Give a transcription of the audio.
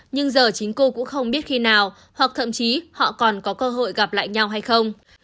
nhưng giờ chính cô cũng không biết khi nào hoặc thậm chí họ còn có cơ hội gặp lại nhau hay không